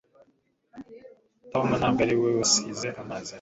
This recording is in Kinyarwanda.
Tom ntabwo ari we wasize amazi atemba.